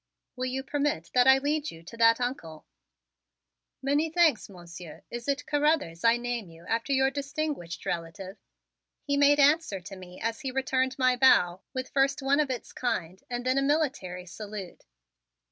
"Will you permit that I lead you to that Uncle?" "Many thanks, Monsieur, is it Carruthers I name you after your distinguished relative?" he made answer to me as he returned my bow with first one of its kind and then a military salute.